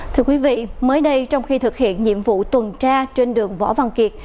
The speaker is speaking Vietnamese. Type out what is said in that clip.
thưa quý vị mới đây trong khi thực hiện nhiệm vụ tuần tra trên đường võ văn kiệt